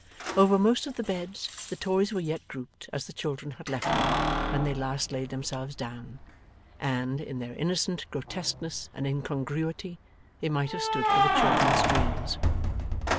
Over most of the beds, the toys were yet grouped as the children had left them when they last laid themselves down, and, in their innocent grotesqueness and incongruity, they might have stood for the children's dreams.